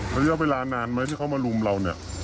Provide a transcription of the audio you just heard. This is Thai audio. ระยะเวลานานไหมที่เขามารุมเราเนี่ย